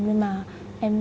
nhưng mà em